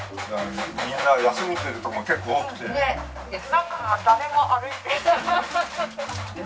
なんか誰も歩いてない。